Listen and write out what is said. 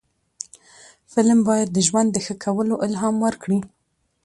فلم باید د ژوند د ښه کولو الهام ورکړي